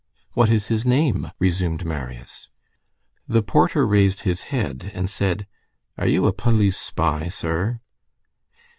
"What is his name?" resumed Marius. The porter raised his head and said:— "Are you a police spy, sir?"